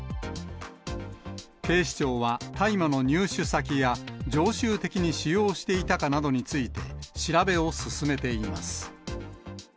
警視庁は大麻の入手先や常習的に使用していたかなどについて調べを進めています。